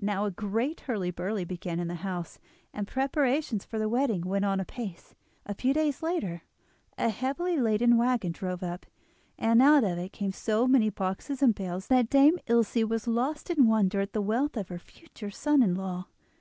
Now a great hurly burly began in the house, and preparations for the wedding went on apace. A few days later a heavily laden waggon drove up, and out of it came so many boxes and bales that Dame Ilse was lost in wonder at the wealth of her future son in law.